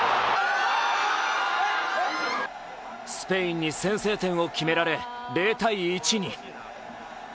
スペインに先制点を決められ０−１に。